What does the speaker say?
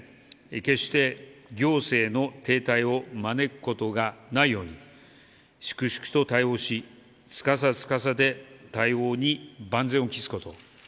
決して行政への停滞を招くことがないように粛々と対応し司、司で対応に万全を期すこと。